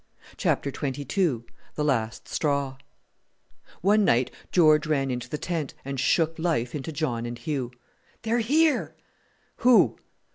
CHAPTER XXII THE LAST STRAW One night George ran into the tent, and shook life into John and Hugh. "They're here!" "Who?"